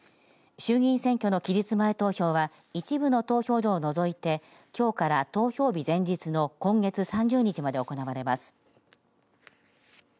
衆議院選挙の期日前投票は一部の投票所を除いてきょうから投票日前日の今月３０日まで行われます。